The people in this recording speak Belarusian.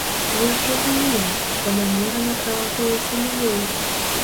Вы ж разумелі, што намерана правакуеце людзей!